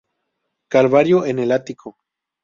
Calvario en el ático.